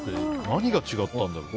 何が違ったんだろう。